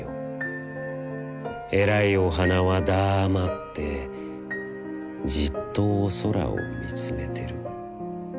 えらいお花はだァまって、じっとお空をみつめてる。